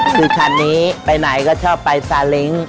คือคันนี้ไปไหนก็ชอบไปซาเล้ง